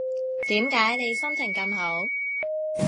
點解你心情咁好